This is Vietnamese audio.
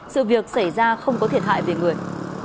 sự việc xảy ra không có thiệt hại về người